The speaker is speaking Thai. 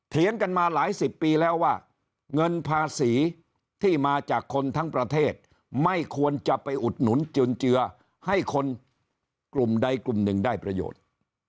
เถียงกันมาหลายสิบปีแล้วว่าเงินภาษีที่มาจากคนทั้งประเทศไม่ควรจะไปอุดหนุนจุนเจือให้คนกลุ่มใดกลุ่มหนึ่งได้ประโยชน์